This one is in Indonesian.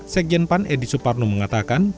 sekjen pan edi suparno mengatakan